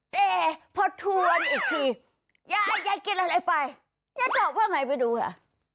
แต่พอทวนอีกทียายยายกินอะไรไปยายตอบว่าไงไปดูค่ะ